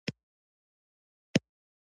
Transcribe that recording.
وسله باید د انسانیت له قاموسه ووځي